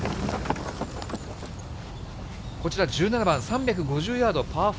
こちら１７番、３５０ヤードパー４。